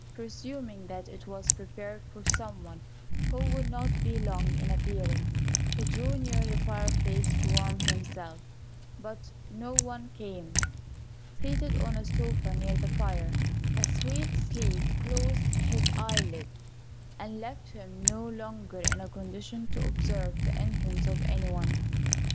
Presuming that it was prepared for some one, who would not be long in appearing, he drew near the fireplace to warm himself; but no one came. Seated on a sofa near the fire, a sweet sleep closed his eyelids, and left him no longer in a condition to observe the entrance of any one.